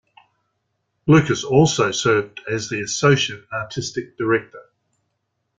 Lucas also served as the Associate Artistic Director.